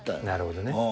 なるほどね。